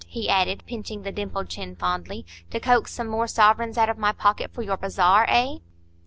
he added, pinching the dimpled chin fondly,—"to coax some more sovereigns out of my pocket for your bazaar? Eh?"